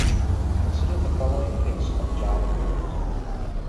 Consider the following piece of Java code.